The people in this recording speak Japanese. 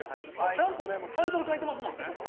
ちゃんとねタイトル書いてますもんね。